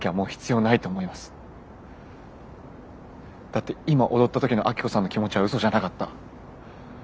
だって今踊った時のアキコさんの気持ちはうそじゃなかった。